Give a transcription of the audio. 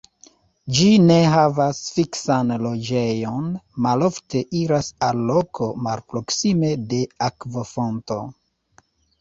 Ĝi ne havas fiksan loĝejon, malofte iras al loko malproksime de akvofonto.